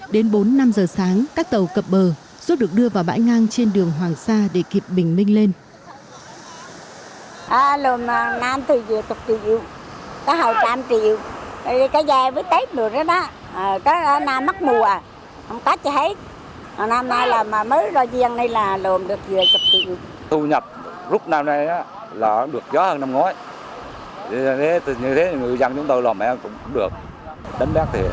đến bốn năm giờ sáng các tàu cập bờ xuất được đưa vào bãi ngang trên đường hoàng sa để kịp bình minh lên